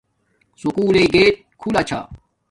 سکُول لݵ گیٹ کھولہ چھا